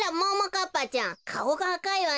かっぱちゃんかおがあかいわね。